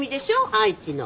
愛知の。